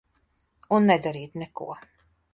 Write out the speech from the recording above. Un nedarīt neko.